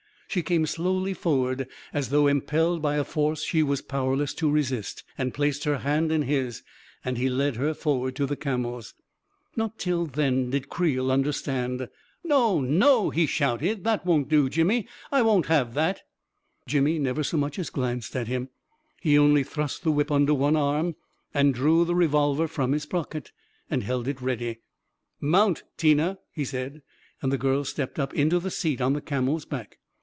She came slowly forward, as though impelled by a force she was powerless to resist, and placed her hand in his ; and he led her forward to the camels. Not till then did Creel understand. 14 No, no!" he shouted. "That won't do, Jimmy ! I won't have that !" Jimmy never so much as glanced at him; he only thrust the whip under one arm, and drew the re volver from his pocket and held it ready. 44 Mount, Tina!" he said; and the girl stepped up into the seat on the camel's back.